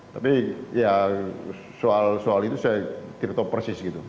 tapi ya soal soal itu saya tidak tahu persis gitu